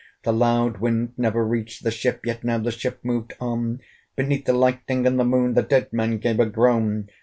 The loud wind never reached the ship, Yet now the ship moved on! Beneath the lightning and the Moon The dead men gave a groan.